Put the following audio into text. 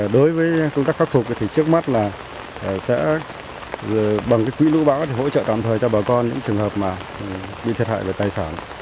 đối với công tác khắc phục thì trước mắt là sẽ bằng cái quỹ lưu bão hỗ trợ tạm thời cho bà con những trường hợp mà bị thiệt hại về tài sản